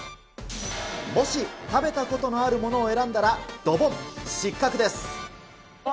もし食べたことのあるものを選んだら、ドボン・失格です。